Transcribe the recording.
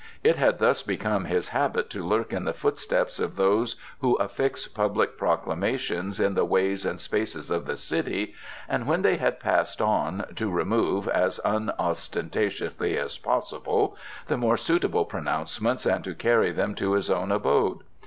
It had thus become his habit to lurk in the footsteps of those who affix public proclamations in the ways and spaces of the city, and when they had passed on to remove, as unostentatiously as possible, the more suitable pronouncements and to carry them to his own abode.